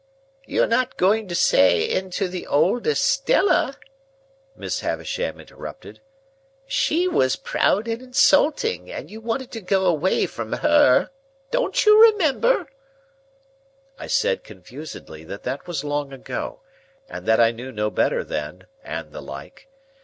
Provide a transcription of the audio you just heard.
You are not going to say into the old Estella?" Miss Havisham interrupted. "She was proud and insulting, and you wanted to go away from her. Don't you remember?" I said confusedly that that was long ago, and that I knew no better then, and the like.